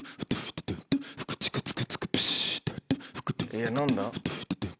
えっ何だ？